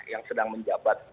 yang sedang menjabat